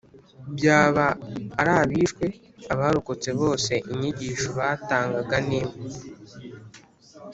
Byaba ari abishwe, abarokotse bose inyigisho batangaga ni imwe